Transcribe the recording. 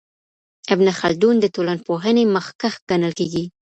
ابن خلدون د ټولنپوهنې مخکښ ګڼل کیږي.